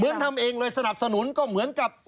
ทำเองเลยสนับสนุนก็เหมือนกับ